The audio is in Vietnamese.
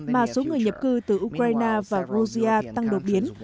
mà số người nhập cư từ ukraine và georgia tăng đột biến